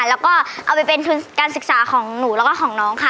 แล้วก็เอาไปเป็นทุนการศึกษาของหนูแล้วก็ของน้องค่ะ